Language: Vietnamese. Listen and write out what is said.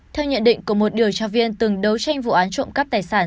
theo nhận định của một điều tra viên từng đấu tranh vụ án trộm cắp tài sản